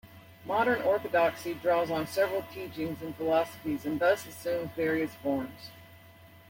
Modern Orthodoxy draws on several teachings and philosophies, and thus assumes various forms.